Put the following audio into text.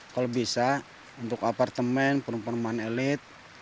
kalau bisa untuk apartemen perempuan elit